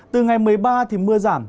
từ ngày một mươi ba thì mưa giảm